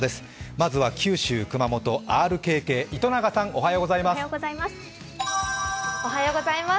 まずは九州・熊本ＲＫＫ、糸永さん、おはようございます。